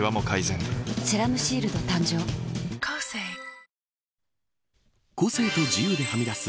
「セラムシールド」誕生個性と自由ではみ出す